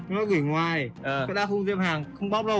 nó gửi ngoài cái đa phương tiêm hàng không bóp đâu